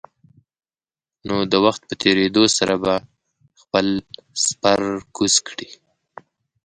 نو د وخت په تېرېدو سره به خپل سپر کوز کړي.